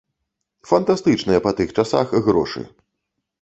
Фантастычныя па тых часах грошы.